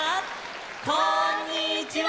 こんにちは！